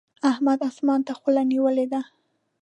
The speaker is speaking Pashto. احمد اسمان ته خوله نيولې ده.